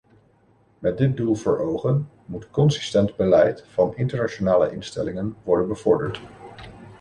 Met dit doel voor ogen moet consistent beleid van internationale instellingen worden bevorderd.